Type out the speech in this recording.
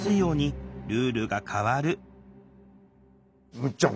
むっちゃん